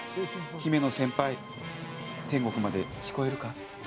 「姫野先輩天国まで聞こえるか？」